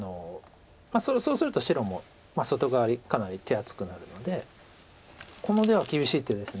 そうすると白も外側にかなり手厚くなるのでこの手は厳しい手です。